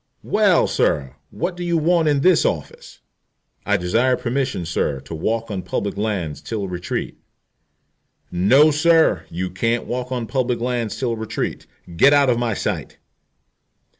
"Well, sir, what do you want in this office?" "I desire permission, sir, to walk on public lands till retreat." "No, sir, you can't walk on public lands till retreat. Get out of my sight."